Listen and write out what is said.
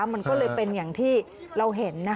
มันก็เลยเป็นอย่างที่เราเห็น